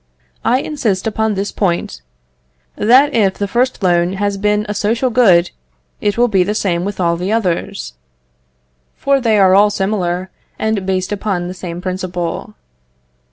I insist upon this point, that if the first loan has been a social good, it will be the same with all the others; for they are all similar, and based upon the same principle.